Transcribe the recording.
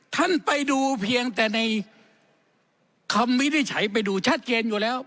ท่านไปดูเพียงแต่ในคำวินิจฉัยไปดูชัดเจนอยู่แล้ว